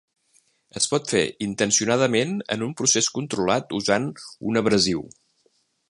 Es pot fer intencionadament en un procés controlat usant un abrasiu.